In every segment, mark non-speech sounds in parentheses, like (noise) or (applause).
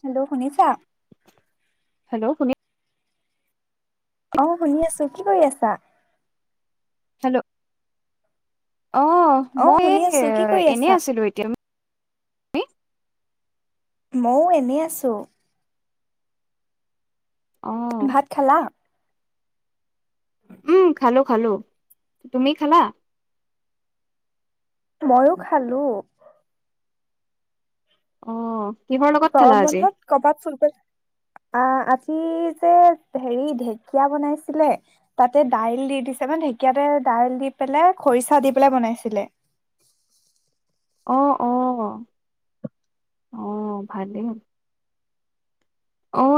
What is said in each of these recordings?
Hello শুনিছা? Hello শুনি অ', শুনি আছোঁ, কি কৰি আছা? হেল্ল'। অ', মই শুনি আছো, কি কৰি এনে আছা? আছিলোঁ এতিয়া। কি? ময়ো এনে আছোঁ। অ' ভাত খালা? উম, খালোঁ, খালোঁ, তুমি খালা? ময়ো খালোঁ। অ'। কিহৰ লগত খালা গৰম আজি বন্ধত কৰবাত ফুৰিব আ আজ কি যে হেৰি ঢেঁকীয়া বনাইছিলে, তাতে দাইল দি দিছে মানে ঢেঁকীয়াতে দাইল দি পেলাই খৰিচা দি পেলাই বনাইছিলে। অ', অ', অ', ভাল দেখোন।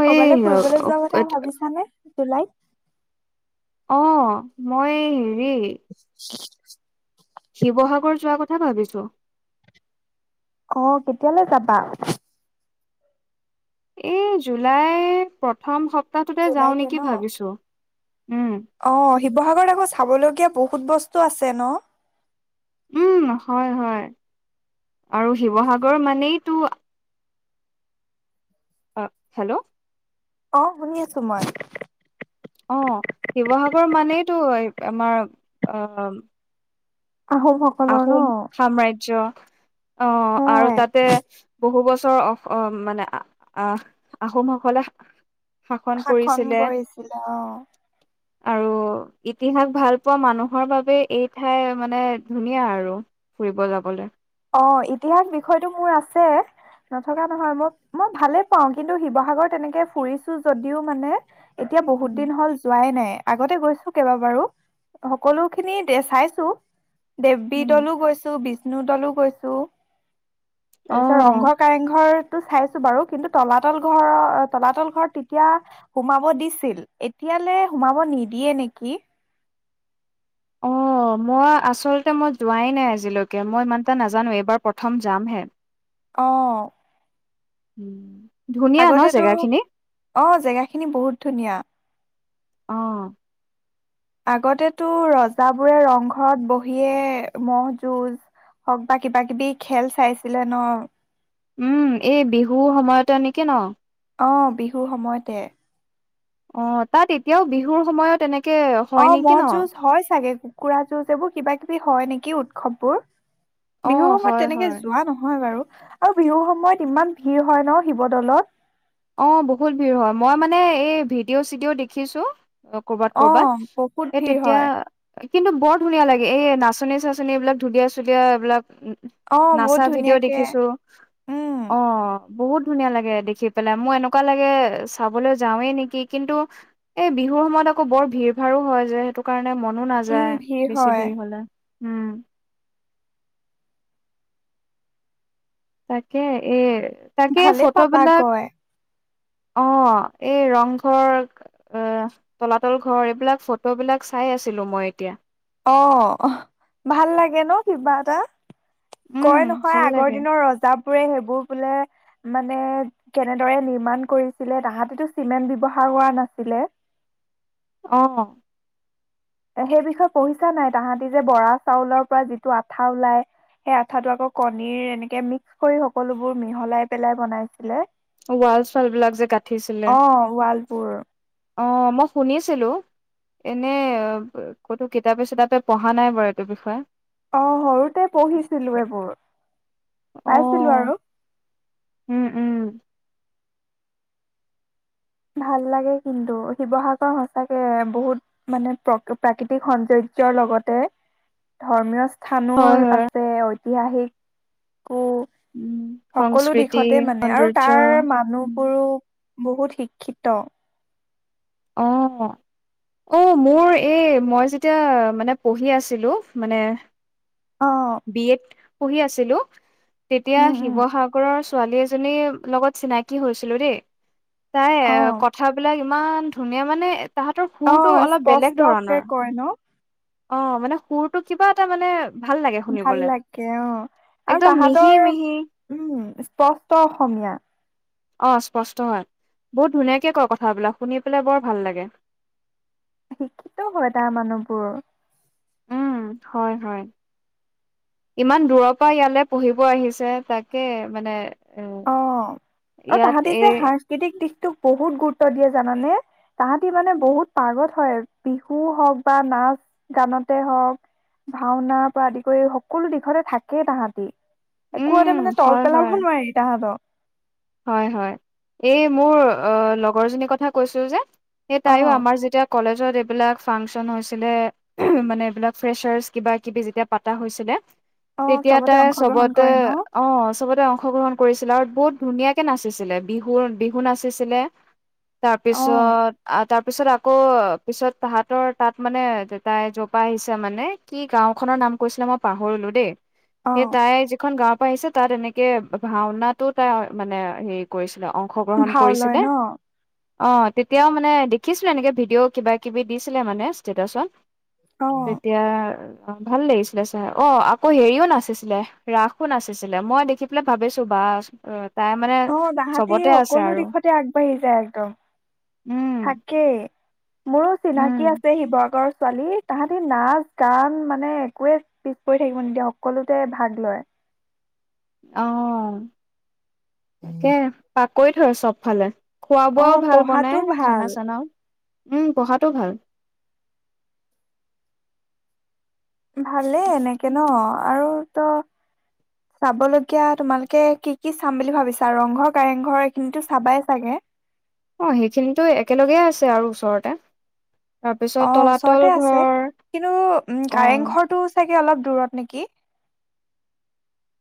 ক'বালে ফুৰিবলৈ যোৱা কথা ভাবিছানে? জুলাইত। অ', মই হেৰি (inaudible) (inaudible) শিৱসাগৰ যোৱা কথা ভাবিছোঁ। অ', কেতিয়ালৈ যাবা? এই জুলাই প্ৰথম সপ প্তাহটোতেই যাওঁ জুলাইতে ন? নেকি ভাবিছো। উম অ', শিৱসাগৰত আকৌ চাবলগীয়া বহুত বহুত বস্তু আছে ন? উম, হয় হয়। আৰু শিৱসাগৰ মানেইতো অ', হেল্ল'? অ', শুনি আছো মই। অঁ, শিৱসাগৰ মানেইটো আমাৰ অ আহোমসকলৰ আহোম ন? সাম্ৰাজ্য। অঁ, আৰু হয়। তাতে বহু বছ ৰ অ অহ মানে আহ আহোমসকলে শাসন কৰিছিলে অঁ। আৰু ইতিহাস ভাল পোৱা মানুহৰ বাবে এই ঠাই মানে ধুনীয়া আৰু ফুৰিব যাবলৈ। অ', ইতিহাস বিষয়তটো মোৰ আছে নথকা নহয়, মই মই ভালে পাওঁ, কিন্তু শিৱসাগৰত তেনেকে ফুৰিছো যদিও মানে এতিয়া বহুত উম দিন হ'ল যোৱাই নাই। আগতে গৈছোঁ কেইবা বাৰো সকলো খিনি দে চাইছোঁ। দেৱবি উম দৌলো গৈছোঁ বি নো তলো কৈছোঁ। অ তাৰপিছত ৰংঘৰ কাৰেংঘৰ টো চাইছোঁ বাৰু কি তলাতল ঘৰ তলাতল ঘৰত তেতিয়া সোমাব দিছিল এতিয়ালে সোমাব নিদিয়ে নেকি। অ', মই আচলতে মই যোৱাই নাই আজিলৈকে মই ইমান এটা নাজানো এইবাৰ প্ৰথম যামহে। অ'। উম। আগতেটো অ', জেগাখিনি বহুত ধুনীয়া। অহ। আগতেটো ৰজাবোৰে ৰংঘৰত বহিয়ে মহ' যুঁজ হওঁক বা কিবা কিবি খেল চাইছিলে ন'। উম, এই বিহুৰ সময়তে নেকি ন? অ', বিহুৰ সময়তে। অ', তাত এতিয়াও বিহুৰ সময়ত তেনেক অ', ম'হ যুঁজ হয় চাগে। কুকুৰা যুঁজ এইবোৰ কিবা কিবি হয় নেকি উৎসৱবোৰ? অ বিহুৰ হয় সময়ত তেনেকে হয় যোৱা নহয় বাৰু। আৰু বিহুৰ সময়ত ইমান ভিৰ হয় ন' শিৱদৌলত। অ', বহুত ভিৰ হয় মই মানে এই ভিডিঅ' চিডিঅ' দেখিছোঁ। কৰবাত অ কৰবাত বহুত সে ভিৰ তেতিয়া হয় কিন্তু বৰ ধুনীয়া লাগে, এই নাচনী চাচনী এইবিলাক ধুনীয়া চুুলিয়া এইবিলাক অ বহুত নাচা ভিডিঅ' ধুনীয়াকে দেখিছোঁ উম অ'। বহুত ধুনীয়া লাগে দেখি। পেলাই মোৰ এনেকুৱা লাগে চাবলৈ যাওঁৱে নেকি কিন্তু এই বিহুৰ সময়ত আকৌ বৰ ভিৰ ভাৰো হয় যে সেইটো কাৰণে মানে মনো উম নাযায় ভিৰ বেছি হয় ভিৰ হ'লে। উম। তাকে এৰ তাকে ভালে পাবা ফটোবিলাক গৈ অ', এই ৰংঘৰ অ', তলাতল ঘৰ এইবিলাক ফটোবিলাক চাই আছিলো মই এতিয়া। অ', ভাল লাগে ন কিবা এটা। উম, কয় নহয় ভাল আগৰ লাগে। দিনৰ ৰজা বোৰে সেইবোৰ বোলে মানে কেনেদৰে নিৰ্মাণ মান কৰিছিলে তাহাঁতেটো চিমেন্ট ব্যৱহাৰ কৰা নাছিলে। অহ। সেই বিষয়ে পঢ়িছা নাই তাহাঁতি যে বৰা চাউলৰ পৰা যিটো আঠা ওলাই সেই আঠাটো আকৌ কণীৰ এনেকে মিক্স কৰি সকলোবোৰ মিহলাই পেলাই বনাইছিলে। ৱাল চোৱাল বিলাক যে গাঠিছিলে। অ' ৱালবোৰ অ', মই শুনিছিলোঁ এনে ক'তো কিতাপে চিতাপে পঢ়া নাই বাৰু এইটো বিষয়ে। অ', সৰুতে পঢ়িছিলোঁ এইবোৰ। পাইছিলোঁ অ', আৰু। উম, উম, ভাল লাগে কিন্তু শিৱসাগৰ সচাকে বহুত মানে প্ৰ প্ৰাকৃতিক সৌন্দৰ্যৰ লগতে ধৰ্মীয় স্থানো হয়, হয়। আছে। তি আহি। অ' উম, সকলো সংস্কৃতি দিশতে মানে আৰু সৌন্দৰ্য তাৰ উম, মানুহবোৰো। বহুত শিক্ষিত। অহ অ' মোৰ এই মই যেতিয়া মানে পঢ়ি আছিলোঁ মানে। অ বি এড। পঢ়ি আছিলো তেতিয়া উম উম শিৱসাগৰৰ ছোৱালী এজনীৰ লগত চিনাকী হৈছিলো দেই। তাই অ কথাবিলাক। ইমান ধুনীয়া মানে। তাহাঁতৰ সুৰটো অ' অলপ বেলেগ স্পষ্টকে ধৰণৰ। কয় ন। অ মানে সুৰটো কিবা এটা মানে। ভাল লাগে ভাল শুনিবলে। লাগে অহ আৰু একদম মিহি তাহতৰ মিহি উম স্পষ্ট অসমীয়া। অহ স্পষ্ট হয় বহুত ধুনীয়াকে কয় কথাবিলাক শুনি পেলাই বৰ ভাল লাগে। শিক্ষিতও হয় তাৰ মানুহবোৰ। উম হয় হয় ইমান দূৰৰ পৰা ইয়ালৈ পঢ়িব আহিছে তাকে মানে। এ অহ আৰু ইয়াত তাহাঁতি যে এই সাংস্কৃতিক দিশ। তোক বহুত গুৰুত্ব দিয়ে জানানে তাহাঁতি মানে বহুত পাগত হয় বিহু হওক বা নাচ গানতে হওক ভাওনাৰ পৰা আদি কৰি সকলো দিশতে থাকেই তাহাঁতি। উম, একোতে মানে তল হয় পেলাব হয়। নোৱাৰি। হ। হয় হয় এই মোৰ লগৰজনীৰ কথা কৈছো যে। সেই অ তাইো আমাৰ যেতিয়া কলেজ। ত এইবিলাক ফাংচন হৈছিলে মানে এইবিলাক ফ্ৰেচাৰছ কিবা কিবি যেতিয়া পাতা হৈছিলে। অ তেতিয়া চবতে তাই অংশগ্ৰহণ চবতে কৰে ন অহ চবতে অংশগ্ৰহণ। কৰিছিলে আৰু বহুত। ধুনীয়াকে নাচিছিলে বিহু বিহু নাচিছিলে। অ তাৰপিছত আ তাৰ। তাৰপিছত আকৌ পিছত তাহাঁতৰ তাত মানে দেতাই জ'পা আহিছে মানে কি গাঁও খনৰ নাম কৈছিলে মই পাহৰিলো দেই। অ সেই তাই যিখন গা। পাইছে তাত এনেকে ভাওনাটোত। তাৰ মানে হেৰি কৰিছে। অংশগ্ৰহণ ভাও লয় কৰিছিলে। ন অ তেতিয়াও মানে দেখিছিলো এনেকে ভিডিঅ' কিবা কিবি দিছিলে মানে ষ্টেটাচত অ তেতিয়া অ ভাল লাগিছিলে ছাৰ অ আকৌ হেৰিও নাচিছিলে ৰাসো নাচিছিলে মই দেখি পেলাই ভাবিছো বা অ অ তাহতি সকলো দিশতে আগবাঢ়ি যায় একদম উম তাকেই মোৰো উম চিনাকি আছে শিৱসাগৰ ছোৱালী তাহাঁতি নাচ গান মানে একোৱে পিছ পৰি থাকিব নিদিয়ে সকলোতে ভাগ লয় অহ অ পঢ়াটো ভাল (unintelligible) (inaudible) (inaudible) (inaudible) ভালেই এনেকে ন আৰু ত' চাবলগীয়া তোমালোকে কি কি চাম বুলি ভাবিছা ৰংঘৰ কাৰেংঘৰ এইখিনিতো চাবাই চাগে অ সেইখিনিতো একেলগেই আছে আৰু ওচৰতে তাৰপিছত অ তলাতল ওচৰতে আছে ঘৰ কিন্তু উম অ', কাৰেংঘৰটো চাগ। অলপ দূৰত নেকি। (inaudible)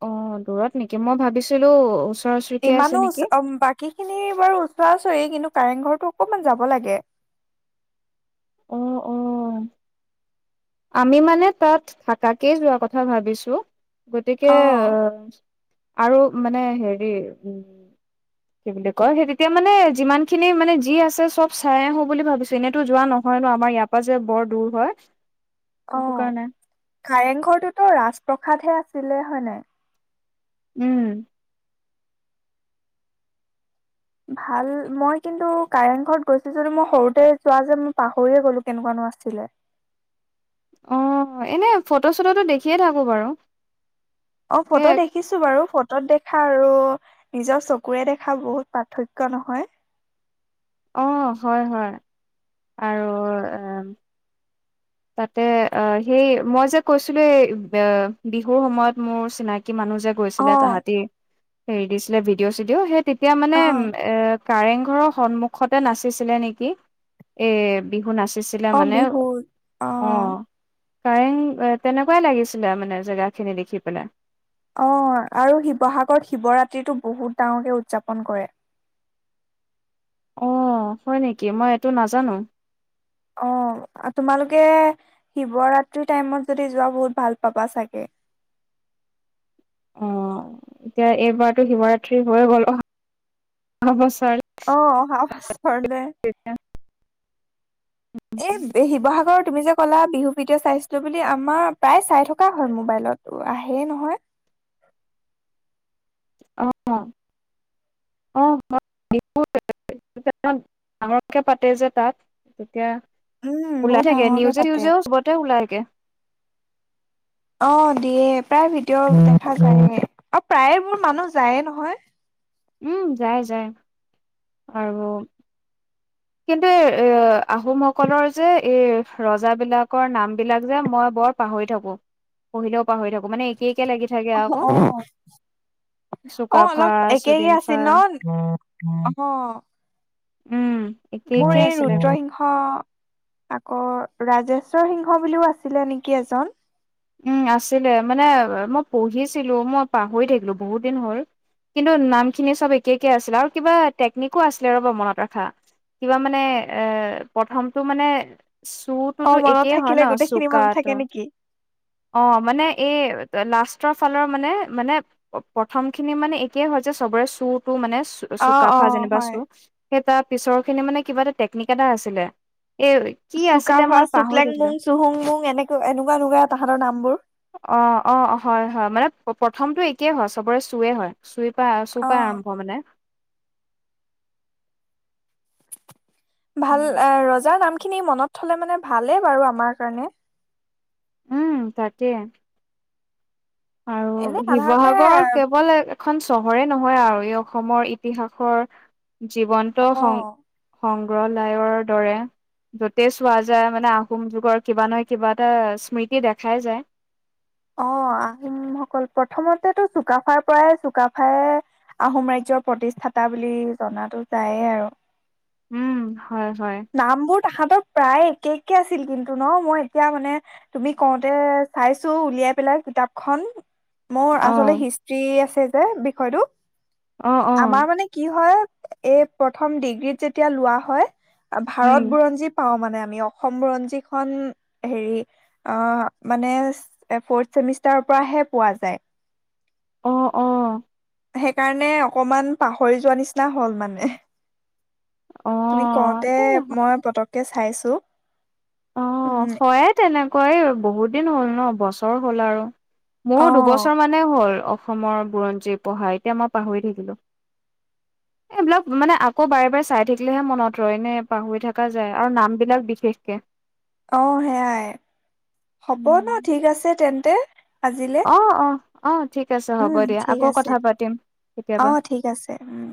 অ', দূৰত নেকি? মই ভাবিছিলোঁ, উচ্ ইমানোচ, উম, বাকীখিনি বাৰু ওচৰা-ওচৰি। কিন্তু কাৰেংঘৰ অকমান যাব লাগে। অহ অহ। আমি মানে তাত থাকাকেই যোৱাৰ কথা ভাবিছোঁ। গতিকে, অ আৰু মানে হেৰি উম কি বুলি কয় সেই তেতিয়া মানে যিমান খিনি মানে যি আছে চব চাই আহোঁ বুলি ভাবিছোঁ এনেইতো যোৱা নহয় নহ আমাৰ ইয়াৰ পৰা যে বোৰ দূৰ হয়। অ সেইটো কাৰণে কাৰেংঘৰটোতো ৰাজপ্ৰসাদহে আছে কৰিছিলে হয় নাই উম ভাল মই কিন্তু কাৰেং ঘৰত গৈছিলো যদি মই সৰুতে যোৱা যে মই পাহৰিয়ে গ'লো কেনেকুৱানো আছিলে অ এনে ফটো চটোটো দেখিয়ে থাকো বাৰু অ সেই ফটো দেখিছো বাৰু ফ ফটো দেখা আৰু নিজৰ চকুৰে দেখা বহুত পাৰ্থক্য নহয় অ হয় হয় আৰু এ তাতে অ সেই মই যে কৈছিলো এই বিহুৰ সময়ত মোৰ চিনাকি কি মানুহ যে অ গৈছিলে তাহাঁতি হে দিছিলে ভিডিঅ চিডিঅ' সেই তেতিয়া মানে অ এ কাৰেং ঘৰৰ সন্মুখতে নাচিছিলে নেকি এ বিহু নাচি পাছিলে অ মানে বিহু অ'। কাৰেং তেনেকুৱাই লাগিছিলে মানে জেগাখিনি দেখি পেলাই। অ', আৰু শিৱসাগৰত শিৱৰাত্ৰিটো বহুত ডাঙকে উদযাপন কৰে। অ', হয় নেকি মই এইটো নাজানো! অ', তোমালোকে শিৱৰাত্ৰি টাইমত যদি যোৱা বহুত ভাল পাবা চাগে। অ', এতিয়া এইবাৰতো শিৱৰাত্ৰি হৈ গল বছ অ', সা পৰলে এই শিৱসাগৰৰ তুমি যে ক'লা বিহু ভিডিঅ' চাইছিলো বুলি আমাৰ প্ৰায় চাই থকা হয় মোবাইলত আহে নহয়। অ', অ', বিহু (inaudible) ডাঙৰকে পাতে যে তাত তেতিয়া উম, ওলাই বহুত থাকে ডাঙৰকে নিউজে পাতে। নিউজেও চবতে ওলাইে (unintelligible) অ' দিয়ে প্ৰায় ভিডিঅ' দেখা যায় আৰু প্ৰায়বোৰ মানুহ যায়ে নহয়। উম যাই যাই আৰু কিন্তু এই এ আহোম সকলৰ যে এই ৰজাবিলাকৰ নামল বিলাক যে মই বৰ পাহৰি থাকো পঢ়িলেও পাহৰি থাকো। মানে একে একে লাগি থাকে আকৌ অ', অ', চুকাফা অলপ একে চুদিনফা আছিল ন আহ। উম। একে মোৰ একে এই আছিলে ৰুদ্ৰসিংস আকৌ ৰাজেশ্বৰ সিংহ বুলিও আছিলে নেকি এজন? উম আছিলে মানে মই পঢ়িছিলো মই পাহৰি থাকিলো বহুত দিন হ'ল কিন্তু নামখিনি চব একে একে আছিলে আৰু কিবা টেকনিকো আছিলে ৰ'বা মনত ৰখা কিবা মানে এ প্ৰথমটো মানে অ চুটোতো মনত একেই হয় থাকিলে ন গোটেইখিনি মনত চুোকাতো। থাকে নেকি অ', মানে এই লাষ্টৰ ফালৰ মানে মানে প্ৰথম খিনি মানে একেই হয় যে চবৰে চুৰ টো মানে চ অ অ চুকাফা যেনিবা হয় চু সেই তাৰ পিছৰ খিনি মানে কিবা এটা টেকনিক এটা আছিলে। এ কি চুকা আছিলে ভ মই পাহৰি চুকলেং থাকিলো। মং চুহুং মং এনেকুৱা এনেকুৱাকুৱা অ' অ' হয় হয় মানে প্ৰথমটো এতিয়ে হয় চবৰে চুৱে হয় চুইে চোপা অ চোপা আৰম্ভ মানে ভাল এ ৰজাৰ নাম খিনি মনত থলে মানে ভালেই বাৰু আমাৰ কাৰণে উম তাকেই আৰু এনে সাধাৰণতে শিৱসাগৰ কেৱল এখন চহৰে নহয় আৰু এই অসমৰ ইতিহাসৰ জীৱন্ত অ সং সং উগ্ৰলায়ৰ দৰে য'তেই চোৱা যায় মানে আহোম যুগৰ কিবা নহয় কিবা এটা স্মৃতি দেখাই যায়। অ' আহোমসকল প্ৰথমতেতো চুকাফাৰ পৰাই চুকাফাই আহোম ৰাজ্যৰ প্ৰতিষ্ঠাতা বুলি জনাাতো যায়েই আৰু। উম। হয়, হয় নাম বোৰ তাহাঁতৰ প্ৰায় একে একে আছিল কিন্তু ন' মই এতিয়া মানে তুমি কওঁতে চাইছো উলিয়াই পেলাই কিতাপখন। মোৰ আচলতে অ', হিষ্ট্ৰি আছে যে অ', বিষয়টোত। অ', আমাৰ মানে কি হয় এই প্ৰথম ডিগ্ৰীত যেতিয়া লোৱা হয় উম, ভাৰত বুৰঞ্জী পাওঁ মানে আমি অসম বুৰঞ্জীখন হেৰি অহ মানে ফৰ্থ চেমিষ্টাৰৰ পৰাহে পোৱা যায়। অ', অ'। সেইকাৰণে অকমান পাহৰি যোৱা নিচিনা হল মানে। তুমি অ', কওঁতে এ মই পতককে চাইছোঁ। অ', হয়ে তেনে কয়ো বহুত দিন হ'ল ন, বছৰ হ'ল আৰু। মোৰো অ দুবছৰ মানে হ'ল অসমৰ বুৰঞ্জী পঢ়া, এতিয়া মই পাহৰি থাকিলো। এইবিলাক মানে, আকৌ বাৰে বাৰে চাই থাকিলেহে মনত ৰয়, এনে পাহৰি থাকা যায় আৰু নাম বিলাক বিশেষকে। অ', সেয়াই। হ'ব ন', ঠিক আছে তেন্ত তে অহ, অহ। অ', ঠিক আছে হ'ব উম দিয়া, ঠিক আকৌ আছে কথা পাতিম, অ কেতিয়াবা। ঠিক আছে উম